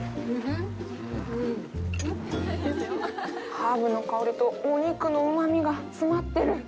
ハーブの香りとお肉のうまみが詰まってる。